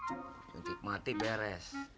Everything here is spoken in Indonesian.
untuk mati beres